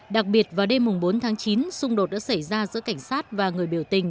đặc biệt vào đêm bốn tháng chín xung đột đã xảy ra giữa cảnh sát và người biểu tình